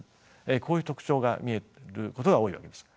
こういう特徴が見えることが多いわけです。